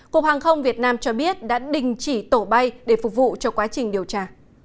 cục hàng không việt nam cho biết đã đình chỉ tổ bay để phục vụ cho quá trình điều tra